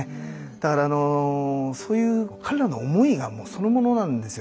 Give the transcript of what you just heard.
だからそういう彼らの思いがそのままなんですよ